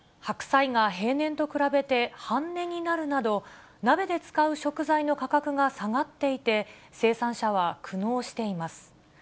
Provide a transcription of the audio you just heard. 白菜が平年と比べて半値になるなど、鍋で使う食材の価格が下がっていて、生産者は苦悩しています。